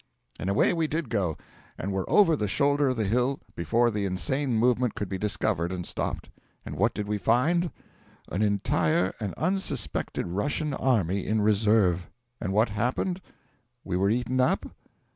And away we did go, and were over the shoulder of the hill before the insane movement could be discovered and stopped. And what did we find? An entire and unsuspected Russian army in reserve! And what happened? We were eaten up?